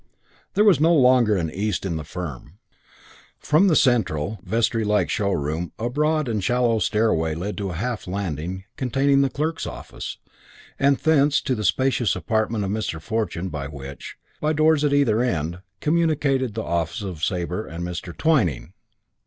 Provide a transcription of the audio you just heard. There was no longer an East in the firm. From the central, vestry like showroom a broad and shallow stairway led to a half landing, containing the clerks' office, and thence to the spacious apartment of Mr. Fortune with which, by doors at either end, communicated the offices of Sabre and of Mr. Twyning.